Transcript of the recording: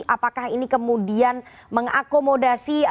apakah ini kemudian mengakomodasi